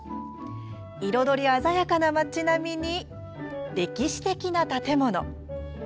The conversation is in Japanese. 彩り鮮やかな街並みに歴史的な建物。